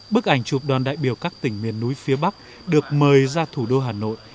bức ảnh chụp đoàn đại biểu các tỉnh miền núi phía bắc được mời ra thủ đô hà nội